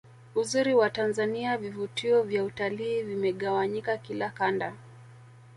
uzuri wa tanzania vivutio vya utalii vimegawanyika kila Kanda